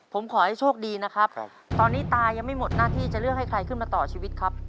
ผมขอให้โชคดีนะครับตอนนี้ตายังไม่หมดหน้าที่จะเลือกให้ใครขึ้นมาต่อชีวิตครับ